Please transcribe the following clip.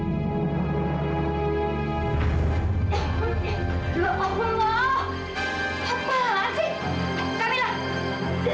ini nindi kamila mau bakar semua rumah kita nih